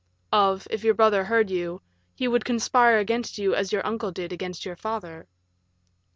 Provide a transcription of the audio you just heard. "Of, if your brother heard you, he would conspire against you as your uncle did against your father."